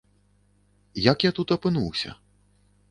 Як я тут апынуўся?